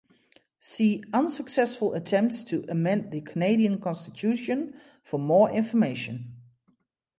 See Unsuccessful attempts to amend the Canadian Constitution for more information.